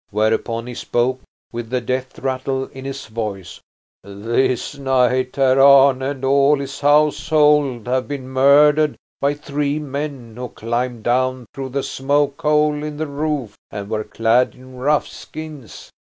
Whereupon he spoke with the death rattle in his voice: "This night Herr Arne and all his household have been murdered by three men who climbed down through the smoke hole in the roof and were clad in rough skins.